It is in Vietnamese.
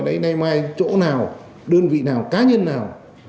đấy nay mai chỗ nào đơn vị nào cá nhân nào